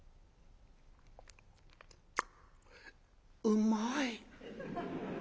「うまい」。